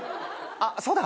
あっそうだ。